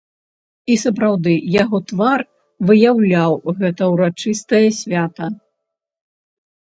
І сапраўды, яго твар выяўляў гэта ўрачыстае свята.